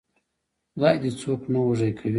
خدای دې څوک نه وږي کوي.